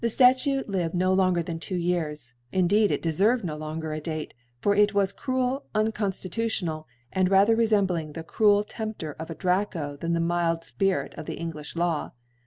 102 ) ThU Statute lived no longer than two Years, indeed it deferred no longer a Date ; for it was cruel, unconftitutibna], and ra ther refembling the cruel Temper of a Dra io^ thaft the ntild Spirit of the Engl^ Law.